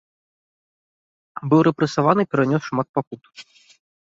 Быў рэпрэсаваны, перанёс шмат пакут.